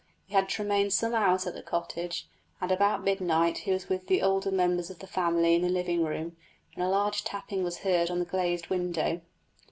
He had to remain some hours at the cottage, and about midnight he was with the other members of the family in the living room, when a loud tapping was heard on the glazed window.